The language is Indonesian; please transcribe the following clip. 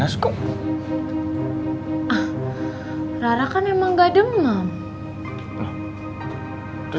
soalnya kita berdua banyak known rapin